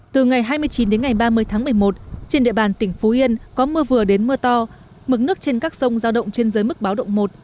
từ ngày hai mươi chín đến ngày ba mươi tháng một mươi một trên địa bàn tỉnh phú yên có mưa vừa đến mưa to mực nước trên các sông giao động trên giới mức báo động một